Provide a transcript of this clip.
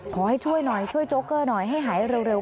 ขอให้ช่วยหน่อยช่วยโจ๊เกอร์หน่อยให้หายเร็ว